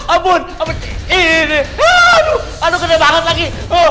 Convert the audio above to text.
aduh gede banget lagi